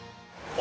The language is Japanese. あ。